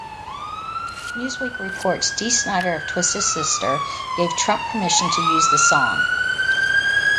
Newsweek reports Dee Snider of Twisted Sister gave Trump permission to use the song.